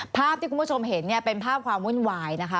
ภาพที่คุณผู้ชมเห็นเนี่ยเป็นภาพความวุ่นวายนะคะ